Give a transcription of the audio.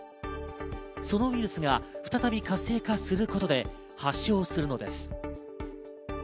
そのウイルスが再び活性化することで発症するのです。